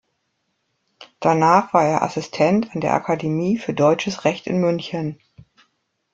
Danach war er Assistent an der Akademie für Deutsches Recht in München.